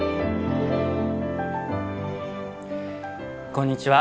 こんにちは。